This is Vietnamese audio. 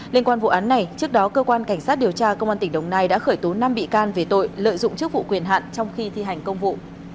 liên quan vụ án này trước đó cơ quan cảnh sát điều tra công an tỉnh đồng nai đã khởi tố năm bị can về tội lợi dụng chức vụ quyền hạn trong khi thi hành công vụ